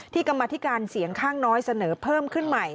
กรรมธิการเสียงข้างน้อยเสนอเพิ่มขึ้นใหม่